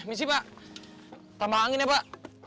misi pak tambah angin ya pak